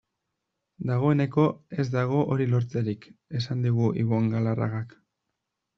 Dagoeneko ez dago hori lortzerik, esan digu Ibon Galarragak.